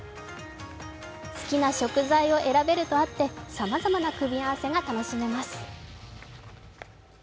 好きな食材を選べるとあってさまざまな組み合わせが楽しめます。